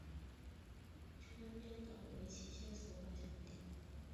川边町为岐阜县加茂郡所辖的町。